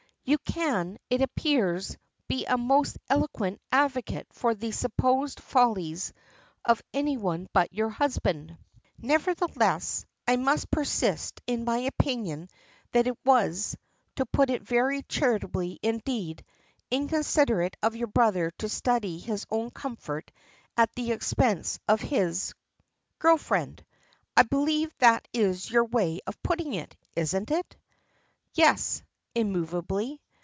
"You can, it appears, be a most eloquent advocate for the supposed follies of any one but your husband. Nevertheless, I must persist in my opinion that it was, to put it very charitably indeed, inconsiderate of your brother to study his own comfort at the expense of his girl friend. I believe that is your way of putting it, isn't it?" "Yes," immovably.